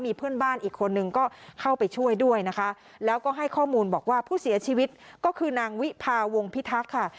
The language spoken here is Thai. เพื่อนบ้านอีกคนนึงก็เข้าไปช่วยด้วยนะคะแล้วก็ให้ข้อมูลบอกว่าผู้เสียชีวิตก็คือนางวิภาวงพิทักษ์ค่ะ